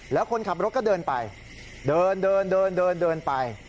แล้วคนขับรถก็เดินไป